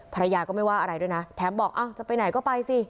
ภรรยาก็ไม่ว่าอะไรด้วยนะแถมบอกอ้าวจะไปไหนก็ไปสิ